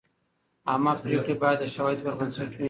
عامه پریکړې باید د شواهدو پر بنسټ وي.